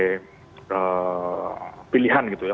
ya pilihan gitu ya